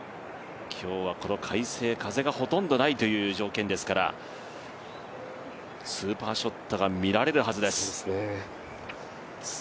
今日は快晴、風がほとんどないという条件ですからスーパーショットが見られるはずです。